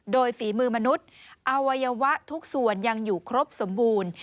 โดยฝีมือมนุษย์อวัยวะทุกส่วนยังอยู่ครบสมบูรณ์